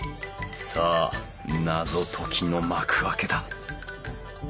さあ謎解きの幕開けだ。